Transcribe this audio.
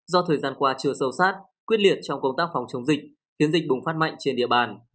do thời gian qua chưa sâu sát quyết liệt trong công tác phòng chống dịch khiến dịch bùng phát mạnh trên địa bàn